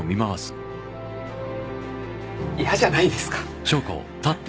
嫌じゃないですか？